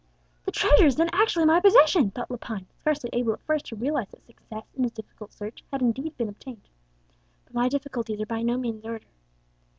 "The treasure is then actually in my possession!" thought Lepine, scarcely able at first to realize that success in his difficult search had indeed been obtained. "But my difficulties are by no means over.